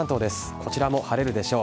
こちらも晴れるでしょう。